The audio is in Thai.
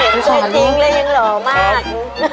เห็นจริงเลยยังหรอมาก